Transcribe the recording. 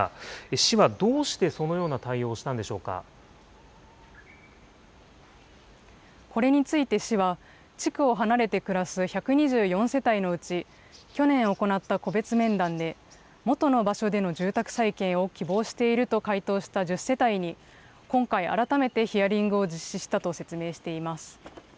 市はどうしてそのような対応をしこれについて市は、地区を離れて暮らす１２４世帯のうち、去年行った個別面談で、元の場所での住宅再建を希望していると回答した１０世帯に、今回、改めてヒアリングを実施したと説明しています。